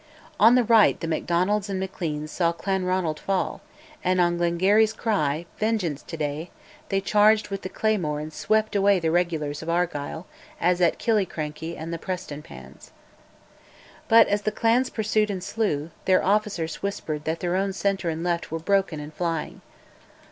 On the right the Macdonalds and Macleans saw Clanranald fall, and on Glengarry's cry, "Vengeance to day!" they charged with the claymore and swept away the regulars of Argyll as at Killiecrankie and Prestonpans. But, as the clans pursued and slew, their officers whispered that their own centre and left were broken and flying.